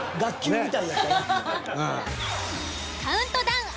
カウントダウン